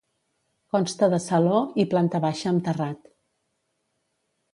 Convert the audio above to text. Consta de saló i planta baixa amb terrat.